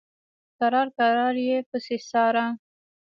کرار کرار یې پسې څاره.